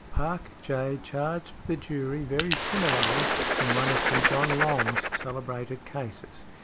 Park, J., |86| charged the jury very similarly in one of St. John Long's celebrated cases.